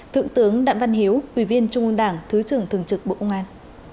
thượng tướng đạm văn hiếu ủy viên trung ương đảng thứ trưởng thường trực bộ công an